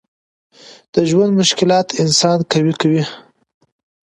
د ژوند مشکلات انسان قوي کوي.